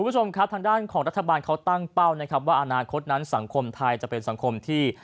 ทางด้านของรัฐบาลเขาตั้งเป้าว่าอนาคตนั้นสังคมไทยจะเป็นสังคมที่